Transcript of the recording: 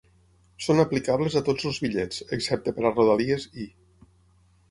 Són aplicables a tots els bitllets, excepte per a Rodalies i.